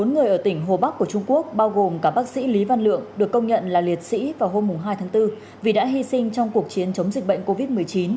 bốn người ở tỉnh hồ bắc của trung quốc bao gồm cả bác sĩ lý văn lượng được công nhận là liệt sĩ vào hôm hai tháng bốn vì đã hy sinh trong cuộc chiến chống dịch bệnh covid một mươi chín